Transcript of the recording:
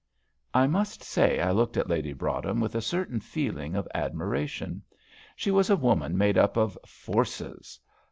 I must say I looked at Lady Broadhem with a certain feeling of admiration. She was a woman made up of "forces."